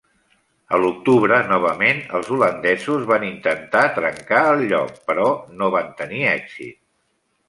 A l'octubre novament els holandesos van intentar trencar el lloc, però no van tenir èxit.